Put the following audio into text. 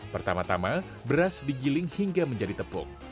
pertama tama beras digiling hingga menjadi tepuk